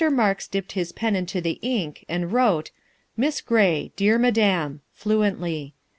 Marks dipped his pen into the ink and wrote " Miss GBAY, DEAR MADAM:" fluently.